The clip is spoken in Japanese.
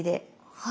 はい。